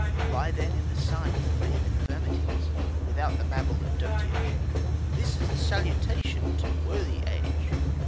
Lie, then, in the sun, free of infirmities, without the babble of dotage: this is the salutation to worthy age.